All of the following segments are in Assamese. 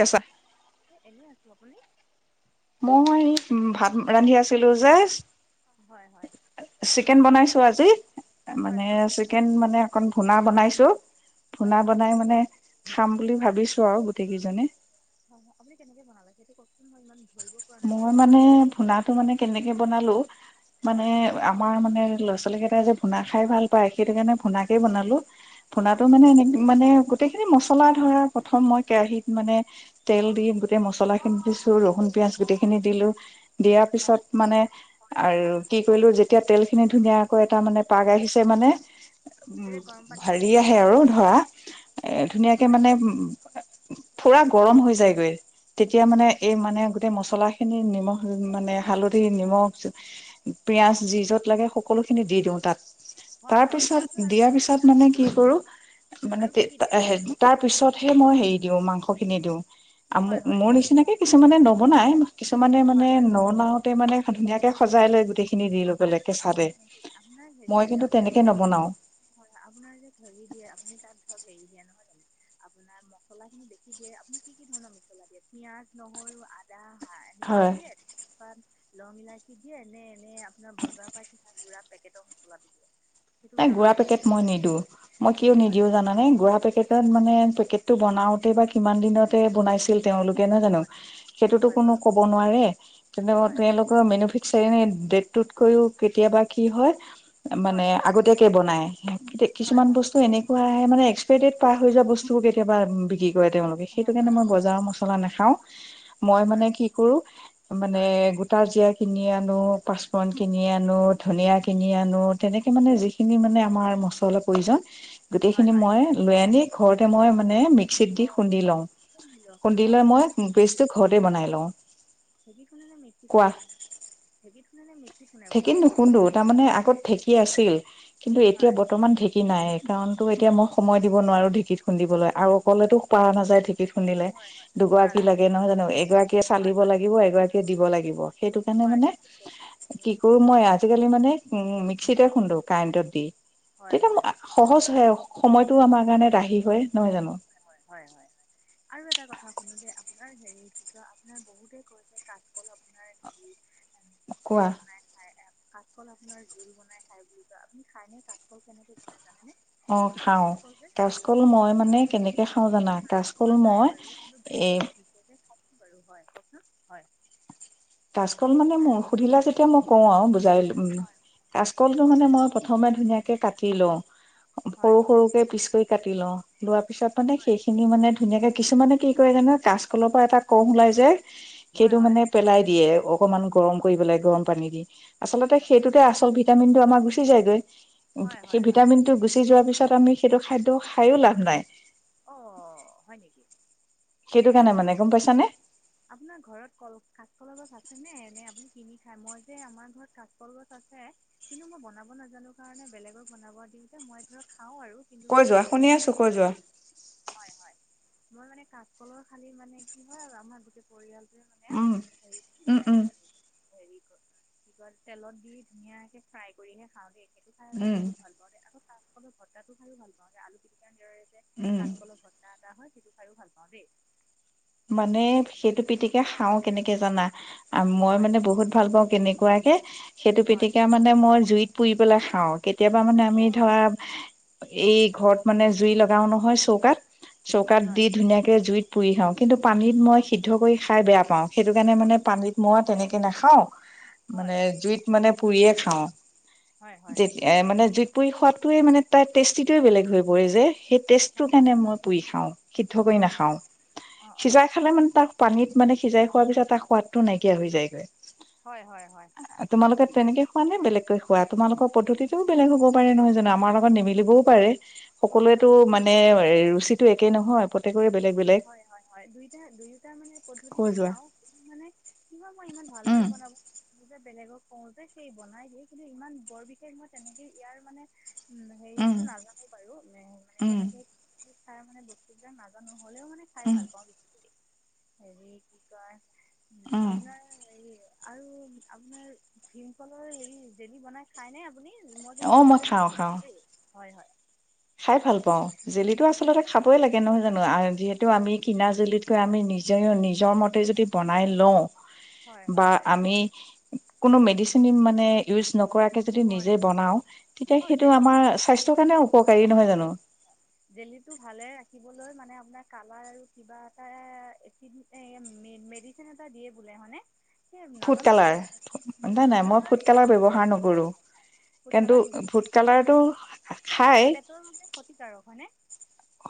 কছা এনে আছো আপুনি মই উ, ভাত ৰান্ধি আছিলো যে। হয় - হয়। চিকেন বনাইছো আজি হয় মানে হয় চিকেন কেনেকৈ মানে বনালে অকণ ভূনা বনাইছো হয় পূণ হয় আপুনি বনাই কেনেকৈ মানে খাম বুলি ভাবিছো আৰু গোটেই কেইজনে। হয় - হয় আপুনি কেনেকে বনাবাবে সেইটো কওকচোন মই ইমান। ধৰিব পৰা নাই বাৰু মই মানে কেনেকৈ ভূনাটো মানে কেনেকে বনালো মানে হয় আমাৰ মানে ল'ৰা ছোৱালী কেইটাই যে ভুনাা খাই ভাল পায়। সেইটো কাৰণে ভোোনাকে বনালো অঁ ভোণাতো কেনেকৈ মানেনে - মানে গোটেই খিনি মছলা ধৰা প্ৰথম মই কেৰাহীত মানে তেল দি গোটেই মছলাখিনি দিছো ৰহুণ পিয়াজ গোটেইখিনি দিলোঁ দিয়াৰ পিছত হয় মানে হয় হয় আৰু হয় কি কৰিলোঁ যেতিয়া তেল খিনি ধুনীয়াকৈ এটা মানে পাগ আহিছে মানে উম, তেতিয়া গৰম পানী ভালি দিছে নে আহে কি আৰু ধৰা এ ধুনীয়াকে হয় মানে উম, পুৰা গৰম হৈ যায়গৈ তেতিয়া মানে এই মানে মছলা খিনি নিমখ মানে হালধি নিমখ পিয়াজ যি যত লাগে সকলো। খিনি দি দিও তাত হয় তাৰ হয় পিছত তাৰপিছত আৰু দিয়াৰ কি কি পিছত দিয়ে আৰু মানে কি কৰো মানে আৰু কি কি দিয়ে বোলো তাৰ পিছতহে মই হেৰি দিওঁ মাংস কিনি দিও আৰু হয় হয় মোৰ নিচিনাকে কিছুমানে নবনাই। কিছুমানে হয় মানে হয় নলওতে মানে ধুনীয়াকে সজাই লয় গোটেই অ, আৰু এটা কথা শুনা আপোনাৰ হেৰি মই কিন্তু তেনেকে গেৰি আছিল। নবনাও হয় আপোনাৰ যে ঘেলৰি দিয়ে আপুনি তাত ধৰক এৰি দিয়ে নহয় জানো। আপোনাৰ মছলা খিনি বেছি দিয়ে আপুনি কি- কি ধৰণৰ মছলা দিয়ে পিয়াজ নহৰু আদা নাই এনে ক হয়। দিয়ে লং ইলাই কি দিয়ে নেনে পেকেটৰ মছলা দি দিয়া গুড়া পেকট মই নিদিো মই কিয় হয় নিদিও জানে গুৰা পেকেটত মানে টো বনাওতে বা কিমান দিনতে বনাইছিল। তেওলোকে নাজানো হয় সেইটো সেইটোতো হয় কোনো বাৰু কব নোৱাৰে তেনে হয় তেওলোকৰ মেনু ফিক্স ডটতকৈও কেতিয়াবা কি হয় হয় মানে হয় আগতীয়াকে বনায় হয় কিছুমান হয় বস্তু এনেকুৱা। তাই মানে এক্সপাই ডেট পাৰ হৈ যোৱা বস্তু কেতিয়াবা বিক্ৰী কৰে তেওঁলোকে সেইটো হয় কাৰণে হয় মই আপুনি বজাৰ মছলা নাখাওঁ। মই হয় মানে হয় কি কৰোঁ মানে হয় গোটা জিয়াৰ কিনি আনো, পাঁচফন কিনি আনো, ধনিয় কিনি আনো, তেনেকে। মানে যিখিনি মানে আমাৰ মছলা প্ৰয়োজন গোটেই হয় খিনি হয় মই লৈ আনি ঘৰতে মই মানে মিক ক্সিত দি খুন্দি অঁ লওঁ, শুনে খুন্দি লয় মই পেছটো ঘৰতে বনাই লওঁ। ঢেকীত খোন্দ নে মিক্সিত খুন্দে ঢেকীত খুন্দে নে মিক্সিত। খুন্দে বোলো ঢেঁকিত আপুনি নুখোন্দো তাৰমানে আগত ঢেঁকী আছিল। কিন্তু, এতিয়া হয় বৰ্তমান ঢেঁকী নাইয়ে। কাৰণ তো এতিয়া মই সময় দিব নোৱাৰোঁ ঢেঁকিত খুন্দিবলৈ আৰু অকলেতো পাৰা নাযায় ঢেঁকিত খুন্দিলে হয় হয় পৰা দুগৰাকী নাযায় লাগে নহয় জানোঁ, এগৰাকীয়ে হয় চালিব হয় লাগিব এগৰাকীয়ে দিব লাগিব। সেইটো কাৰণে হয় মানে ঠিক আছে কি কৰোঁ মই আজিকালি মানে উম, মিক্সিতে খুন্দো কাৰেন্টত দি হয় হয় তেতিয়া হয় সহজ হয়। সময়টো আমাৰ কাৰণে ৰাহি হয় নহয় জানোঁ। হয়, হয়। আৰু এটা কথা সোধোঁ দে আপোনাৰ হেৰি কি ক আপোনাৰ বহুতে কৈছে কাচকল আপোনাৰ হেৰি কোৱা হেৰি বনাই খাই কাচকল আপোনাৰ জোল বনাই খাই বুলি কোৱা আপুনি খাইনে কাচকল তেনেকে বনাই। জানেনে অ' খাওঁ, কাচকল যে কাচকল মই মানে কেনেকে কেনেকে খাওঁ জানা কাচকল খোৱা নাই মই বাৰু কিন্তু এই বেলেগে দিছে যে বাৰু হয়, কওঁকচোন হয়। কাচকল মানে মোৰ সুধিলা যেতিয়া মই কওঁ আৰু বুজাই। উম, হয় কাচকলটো মানে কওকচোন মই হয় প্ৰথমে ধুনীয়াকে কাটি লওঁ। সৰু হয় সৰুকে পিচ কৰি কাটি লওঁ। লোৱাৰ পিছত মানে সেইখিনি মানে ধুনীয়াকে কিছুমানে কি কৰে জানানে কাচকলৰ পৰা এটা কহ ওলাই যে হয় সেইটো হয় মানে পেলাই দিয়ে, অকমান গৰম কৰি পেলাই গৰম পানী দি। আচলতে, অঁ অঁ সেইটোতে আচল ভিটামিন টো আমাৰ গুচি যায়গৈ। হয় সেই হয় হয় ভিটামিনটো গুচি যোৱাৰ পিছত পিছত আমি সেইটো খাদ্য খায়ো লাভ নাই। অ' হয় নেকি? সেইটো কাৰণে মানে হয়, গম পাইছানে আপোনাৰ ঘৰত কল কাচকল গছ আছে। এনে এনে আপুনি কিনি খাই মই যে আমাৰ ঘৰত কাচকল গছ আছে, কিন্তু মই বনাব নাজানোঁ কাৰণে বেলেগক বনাব দিওঁ যে মই ধৰ খাওঁ আৰু কিন্তু কৈ মানে যোৱা শুনি কাচলটো আছো কৈ কেনেকে যোৱা বনাই হয়, হয়। মই মানে কাচকলৰ খালি মানে কি হয় আৰু আমাৰ গোটেই পৰিয়ালটোৰ উমহ, উম, উম। হেৰি কি কয় তেলত দি ধুনীয়াকে ফ্ৰাই কৰিহে খাওঁ দেই। সেইটো খাই আকৌ উম বহুত ভাল পাওঁ। আকৌ কাচকল ভজাটো খায়ো ভাল পাওঁ যে আলু পিটিকাৰ দৰে। যে উম কাচকলৰ ভজা এটা হয়, সেইটো খায়ো ভাল পাওঁ দেই। মানে, সেইটো পিটিকে খাওঁ কেনেকে জানা। আৰু মই হয় মানে বহুত ভাল পাওঁ, কেনেকুৱাকে সেইটো হয় পিটিকা মানে মই জুইত পুৰি পেলাই খাওঁ। কেতিয়াবা মানে আমি অঁ ধৰা এই ঘৰত মানে জুই লগাও নহয় চৌকাত। হয় চৌকাত হয় দি ধুনীয়াকে জুইত পুৰি খাওঁ। কিন্তু, পানীত মই সিদ্ধ কৰি খাই বেয়া পাওঁ। সেইটো কাৰণে অ মানে গম পানীত পাইছোঁ মই অ তেনেকে নাখাওঁ। হয় মানে জুইত মানে পুৰিয়ে খাওঁ। হয় হয় যেতি মানে জুইত পুৰি খোৱাদটয়ে মানে তাৰ টেষ্টিতয়ে বেলেগ হৈ পৰে যে। সেই হয় টেষ্টটো হয় কাৰণে মই পুৰি খাওঁ, সিদ্ধ অ কৰি অ নাখাওঁ, অ অ সিজাই খালে মানে তাক পানীত মানে সিজাই খোৱাৰ পিছত তাৰ সোৱাদটো নাইকিয়া হৈ যায়গৈ। হয়, হয়, হয়। তোমালোকে তেনেকে খোৱা নে বেলেগকৈ খোৱা? তোমালোকৰ দু- পদ্ধতিতটোও বেলেগ হ'ব পাৰে নহয় জানোঁ, আমাৰ লগত নিমিলিবও পাৰে হয় হয় সকলোৱেতো হয় দু- মানে ৰুচিত একেই নহয় প্ৰত্যেক হয়, হয় হয়, জুইত এ দুয়োটা মানে পদ্ধতি কৈ যে যোৱা খাওঁ মানে কিবা মই ইমান ভালদৰে উম বনাব বেলেগক কওঁ যে সেই বনাই দিয়ে কিন্তু ইমান বৰ বিশেষ মই তেনেকে ইয়াৰ মানে উম উম হেৰিতটো নাজানো বাৰু মানে উম কেনেকে কি খাৰ মানে বস্তুবিলাক নাজানো। হ'লেও মানে খাই উম ভাল পাওঁছ হেৰি কি কয় উম আপোনাৰ এই আৰু আপোনাৰ ভীমকলৰ হেৰি জেলি বনাই খাই নে আপুনি? মই কিন্তু অ ঘৰতে য খাওঁ খাওঁ দেই হয় হয়। খাই ভাল পাও জেলিতো হয় আচলতে খাবই লাগে নহয় জানো। যিহেতু আমি কিনা জুলিতকৈ আমি নিজে নিজৰ মতে যদি বনাই লওঁ হয় হয় বা হয় আমি কোনো মেডিচিন মানে ইচ নকৰাকে যদি হয় নিজে বনাও তেতিয়া অঁ সেইটো জেলি আমাৰ বনাই সা নহয় জানো। জেলিটো ভালে ৰা মানে আপোনাৰ কালাৰ কিবা এটা ম এ দিয়ে বোলে হয়নে? সেই ফুড নাজানো বাৰু কালাৰ, নাই নাই মই ফুড কালাৰ ব্যৱহাৰ নকৰো। উম, ফুড এইটো কালাৰ নিদিয়ে ফোদ আপুনি কালাৰটো খাই পেটৰ বাবে ক্ষতিকাৰক হয়নে?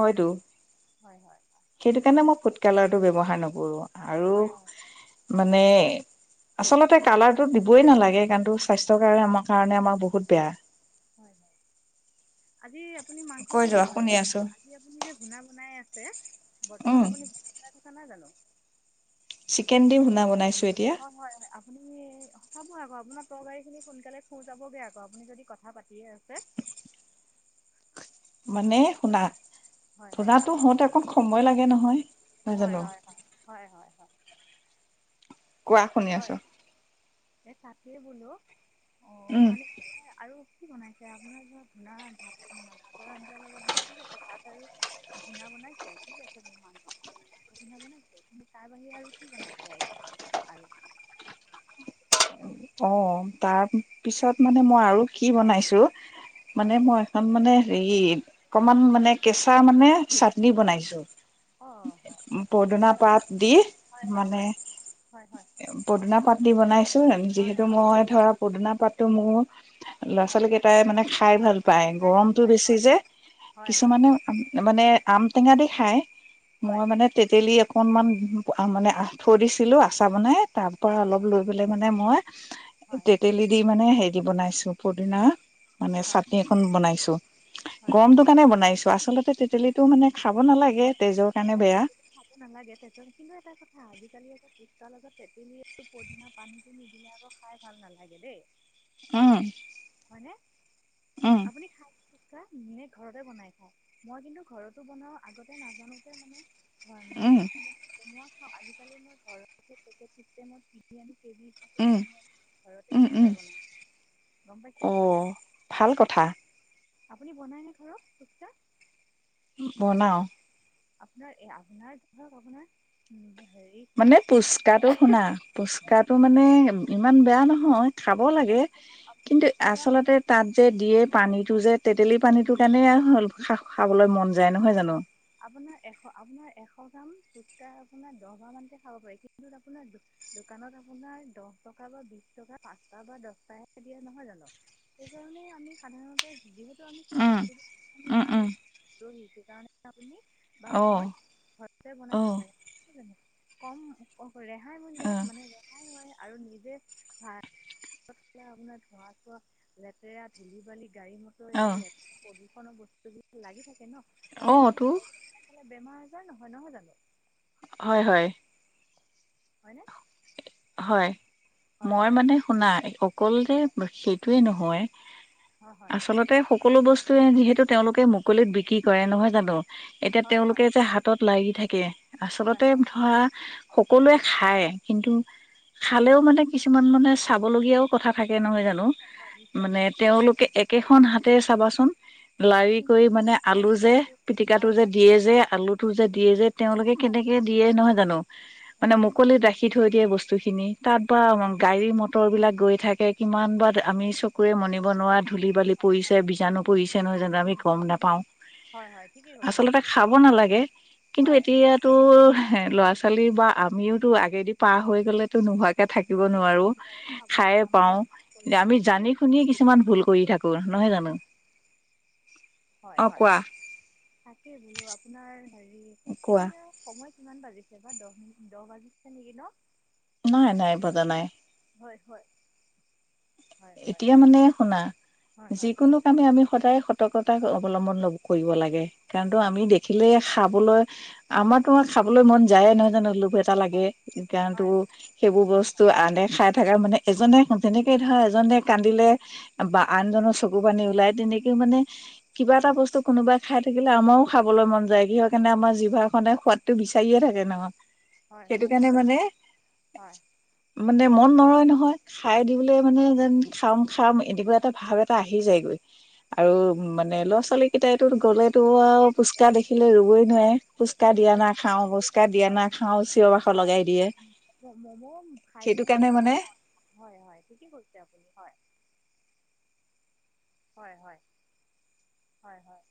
হয়তো, হয় হয় সেইটো কাৰণে মই ফুড কালাৰটো ব্য্ৱহাৰ নকৰো। আৰু হয় হয় হয় হয় হয় মানে, হয় আচলতে তে কালাৰো দিবই নালাগে কাৰণো স্বাস্থ্যৰ কাৰণে আমাৰ কাৰণে আমাৰ বহুত বেয়া। হয় আজ আপুনি মাংস কৈ কি দি যোৱা শুনি বনাব আছোঁ আজি আপুনি যে ঘুণা বনাই আছে? উম বৰ্তমান আপুনি চাই থকা নাই জানো? চিকেন দি শুনা বনাইছো। হয় হয় হয়। আপুনি [inaudible] চাব আকৌ আপোনাৰ তৰ গাড়ী খিনি সোনকালে খু যাবগে আকৌ আপুনি যদি কথা পাতিয়ে আছে। [inaudible] মানে শুনা হয় হয় শুনাতো হওঁতে আকৌ সময় লাগে নহয়। নহয় হয় জানো হয় হয় হয় হয়। কোৱা শুনি আছো। এ তাকে বোলো অ উম মানে আৰ কি বনাইছে আপোনাৰ ধ ধূনা ভাত ভাতৰ আঞ্জাৰ লগত বাৰু ঠিক আছে ভাত আৰু ধূনা বনাইছে ঠিক আছে বি মাংস মাছস পিন্ধা বনাইছে কিন্তু তাৰ বাহিৰে আৰু কি বনাইছে আৰু আৰ অ' তাৰ পিছত মানে মই আৰু কি হয় বনাইছো। হয় মানে কওক মই এখন মানে হেৰি অকমান হয় মানে কেঁচা মানে চাটনি হয় বনাইছো। অ' হয়। ঠিক পদুনা আছে পাত দি হয় হয় মানে হয় হয় হয় পদুনা পাত দি বনাইছো হয় যিহেতু মই ধৰা পদুনা পাতটো মোৰ ল'ৰা হয় ছোৱালী হয় কেইটাই মানে খাই ভাল পায় খাই ভাল গৰমতটো পায় বেছি হয় যে। হয় হয় কিছুমানে মানে আম টেঙা দি খাই মই হয় মানে তেতেলি অকনমান মানে থৈ দিছিলোঁ আচাৰ বনাই তাৰ পৰা হয় অলপ লৈ পেলাই মানে মই হয় তেতেলী দি মানে হে দি বনাইছো পুৰদিনা মানে হয় চাটি এখন বনাইছো হয় গৰমটো হয় কাৰণে বনাইছো আচলতে তেতেলিটো মানে খাব নালাগে হয় তেজৰ কাৰণে অ' তে বেয়া খাব নালাগে কিন্তু এটা কথা আজিকালি আ ফুচকা লগত তেতেলী আৰু পদিনা পানীটো নি দিলে আকৌ খাই ভাল নালাগে দেই আহ। আপুনি খাই? নি ঘৰতে বনাই খা মই কিন্তু ঘৰতো বনাও আগতে নাজানো যে মানে। ঘৰ- উম দোকানত বন- বনোৱা আজিকালি মই ঘৰতে পেকেট চিষ্টেমত কিনি আনি কেজি উম ঘৰতে ফুচকাৰ বনাইছোঁ। অহ' ভাল কথা। আপুনি বনায় নে ঘৰত ফুচকা বনাওঁ। আপোনাৰ এ আপোনাৰ ধৰক আপোনাৰ। হেৰি মানে পুচকাটো শুনা হয় পুচকাটো মানে ইমান বেয়া নহয়। খাব লাগে। এক কিন্তু, এশ গ্ৰাম আচলতে তাত যে দিয়ে পানীতটো যে তেতেলী পানীটো কাৰণে আৰু হ'ল খা খাবলৈ মন যায় নহয় জানোঁ। দাম ফুচকা আপোনাৰ দহ বাৰ মানকে খাব পাৰি। কিন্তু, আপোনাৰ দোকানত আপোনাৰ দহ টকা বিশ টকা পাঁচটা বা দহটাহে দিয়ে নহয় জানোঁ। সেইকাৰণে আমি সাধাৰণতে যিহেতু আমি সেই উম বস্তুবোৰ উম উম জানোঁ তো' সেই কাৰণেহে আপুনি। বা অ মই ঘৰতে বনাই অ খাব লাগে কম কম। ৰেহাই অ মূল্যত মানে ৰেহাই হয় আৰু নিজে ভাল আপোনাৰ ধোৱা চোৱা লেতেৰা ধূলি বালি। গাড়ী মটৰ অ এইবিলাক লেতেৰা প্ৰদূষণৰ বস্তুবিলাক লাগি থাকে ন, তাৰ অ সলনি তো ঘৰত বনাই পেলাই বেমাৰ আজাৰ নহয়, নহয় জানোঁ। হয়, হয়। হয়নে? হয়, হয় মই হয় মানে শুনা অকল যে হয় সেইটোয়ে নহয় হয় হয় আচলতে সকলো বস্তুৱে যিহেতু, তেওঁলোকে মুকলিত বিক্ৰী কৰে নহয় জানোঁ। এতিয়া, হয় হয় তেওঁলোকে যে হাতত লাগি থাকে, হয় আচলতে হয় ধৰা। সকলোৱে খায়। কিন্তু খালেও মানে কিছুমান মানে চাব লগীয়াও কথা থাকে নহয় জানোঁ। হয় নিশ্চয় ন নিশ্চয় তেওঁলোকে একেখন হাতেৰে চাবা লাৰি কৰি কিমান মানে আলু যে পিটিকা টো যে কাৰোবাৰ দিয়ে যদি যে আলু টো যে দিয়ে যে তেওঁলোকে কেনেকে দিয়ে নহয় জানোঁ, মানে হয় হয় মুকলিত ৰাখি থৈ দিয়ে বস্তু বস্তু খিনি তাত বা হয় গাড়ী মটৰ বিলাক গৈ থাকে কিমান বা আমি চকুৰে মনিব বনোৱা ধূলি বালি পৰিছে বীজাণু পৰিছে নহয় জানোঁ আমি গ'ম নেপাওঁ। হয় হয় ঠিকেই কৈছে আচলতে, আপুনি খাব হয় নালাগে। কিন্তু, হয় এতিয়াতো ল'ৰা ছোৱালী ছোৱালী বা আমিওতো আগেদি পাৰ হৈ গ'লেতো নোহোৱাকৈ থাকিব নোৱাৰোঁ আপুনি খাই আমি পাওঁ এ কৰোঁ। হয় আমি ঠিকেই জানি কৈছে শুনি কিছুমান ভুল কৰি থাকো ন। নহয় জানোঁ। হয়, হয়। তাকে বোলোঁ আপোনাৰ হেৰি কোৱা এতিয়া সময় কিমান বাজিছে বা দহ মিনি দহ বাজিছে নেকি ন? নাই, হয় নাই হয় বজা নাই। হয়। হয় হয় এতিয়া, মানে শুনা হয় হয় যিকোনো কামে আমি সদায়ে সত সতৰ্কতা অৱলম্বন কৰিব লাগে। কাৰণ আমি দেখিলে খাবলৈ আমাৰতো খাবলৈ মন যায়ে নহয় জানোঁ লো মোকো এটা লাগে হয় কাৰণটো হয় হয় সেইবোৰ হয় বস্তু আনে খাই থাকা মানে এজনে তেনেকে ধৰা এজনে কান্দিলে বা আনজনৰ চকু পানী ওলাই তেনেকে মানে কিবা এটা বস্তু কোনোবাই খাই থাকিলে আমাৰো খাবলৈ মন যায়। কিহৰ কাৰণে আমাৰ জিভাৰ খনে সোৱাদতটো বিচাৰিয়ে থাকে ন। হয় হয় সেইটো হয় কাৰণে মানে হয় মানে মন নৰয় নহয়। খায় দিবলে মানে। যেন খাম, খাম এনেকুৱা এটা ভাৱ এটা আহি যায়গৈ আৰু মানে ল'ৰা ছোৱালী কেইটাইটো গ'লে তো আৰু ঠিকেই কৈছে পুচকা দেখিলে ৰুবই নোৱাৰে, ফুচকা থাকিলে দিয়া আৰু না খাওঁ, ফুচকা দিয়া না খাওঁ, চিঞৰ বাখৰ আমি লগাই দিয়ে মম' খাইতো সেইটো বহুত কাৰণে ভাল মানে পাওঁ হয় হয় ঠিকে কৈছে? আপোনি হয় হয় হয় হয় হয়